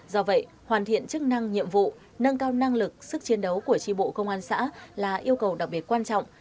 do vậy hoàn thiện chức năng nhiệm vụ nâng cao năng lực sức chiến đấu của tri bộ công an xã là yêu cầu đặc biệt quan trọng